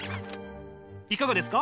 いかがですか？